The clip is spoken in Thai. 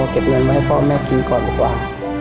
เก็บเงินไว้ให้พ่อแม่กินก่อนดีกว่า